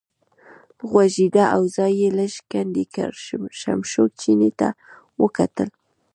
غوږېده او ځای یې لږ کندې کړ، شمشو چیني ته وکتل.